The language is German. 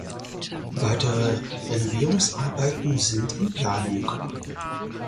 Weitere Renovierungsarbeiten sind in Planung.